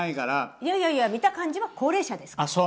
いやいやいや見た感じは高齢者ですから。